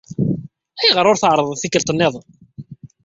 Ayɣer ur tɛerrḍeḍ tikkelt niḍen?